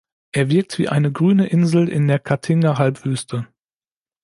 Er wirkt wie eine grüne Insel in der Caatinga-Halbwüste.